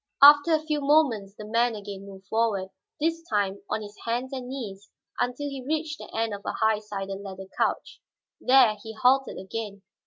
After a few moments the man again moved forward, this time on his hands and knees, until he reached the end of a high sided leather couch. There he halted again.